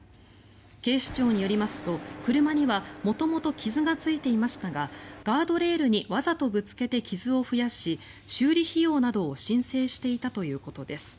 警視庁によりますと、車には元々、傷がついていましたがガードレールにわざとぶつけて傷を増やし修理費用などを申請していたということです。